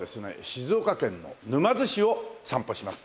静岡県の沼津市を散歩します。